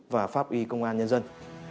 và pháp y công an nhân dân